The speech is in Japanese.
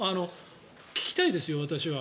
聞きたいですよ、私は。